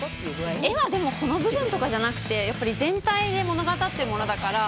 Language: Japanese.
絵はでもこの部分とかじゃなくてやっぱり全体で物語ってるものだから。